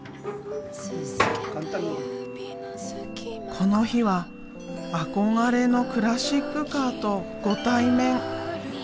この日は憧れのクラシックカーとご対面。